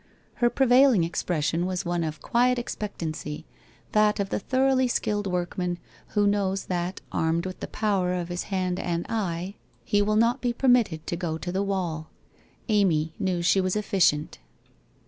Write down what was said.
Her prevailing expression was one of quiet ex pectancy, that of the thoroughly skilled workman who knows that, armed with the power of his hand and eye, he 12 WHITE ROSE OF WEARY LEAF will not be permitted to go to the wall. Amy knew she was efficient.